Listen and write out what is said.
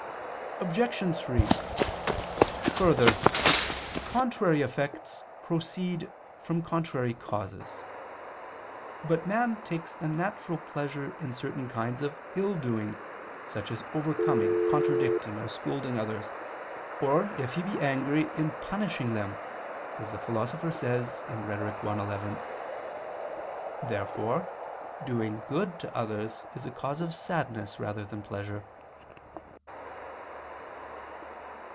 Obj. 3: Further, contrary effects proceed from contrary causes. But man takes a natural pleasure in certain kinds of ill doing, such as overcoming, contradicting or scolding others, or, if he be angry, in punishing them, as the Philosopher says (Rhet. i, 11). Therefore doing good to others is a cause of sadness rather than pleasure.